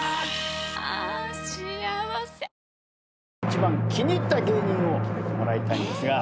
一番気に入った芸人を決めてもらいたいんですが。